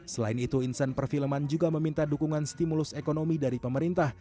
selain itu insan perfilman juga meminta dukungan stimulus ekonomi dari pemerintah